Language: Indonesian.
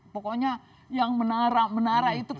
pokoknya yang menara menara itu